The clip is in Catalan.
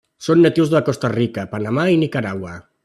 Són natius de Costa Rica, Panamà i Nicaragua.